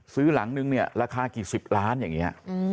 ซื้อหลังนึงราคากี่๑๐ล้านอย่างนี้